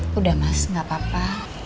hah udah mas gapapa